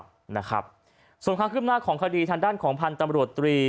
ส่วนข้างขึ้นหน้าของคดีทางด้านของพันธ์ตำรวจตรี